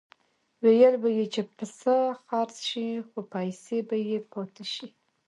ویل به یې چې پسه خرڅ شي خو پیسې به یې پاتې شي.